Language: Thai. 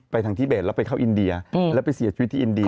ทางที่เบสแล้วไปเข้าอินเดียแล้วไปเสียชีวิตที่อินเดีย